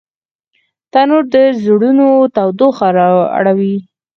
تنور د زړونو تودوخه راوړي